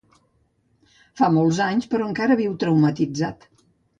Fa molts anys, però encara viu traumatitzat.